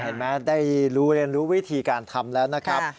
เห็นไหมได้รู้เรียนรู้วิธีการทำแล้วนะครับ